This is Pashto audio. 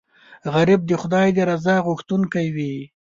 غریب د خدای د رضا غوښتونکی وي